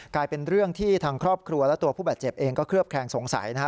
กลายเป็นเรื่องที่ทางครอบครัวและตัวผู้บาดเจ็บเองก็เคลือบแคลงสงสัยนะฮะ